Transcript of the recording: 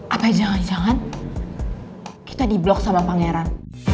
apa jangan jangan kita di blok sama pangeran